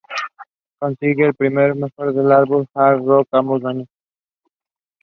Consiguieron el premio al mejor álbum de Hard rock ambos años.